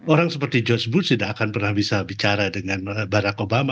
orang seperti george booth tidak akan pernah bisa bicara dengan barack obama